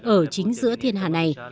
ở chính giữa thiên hạ này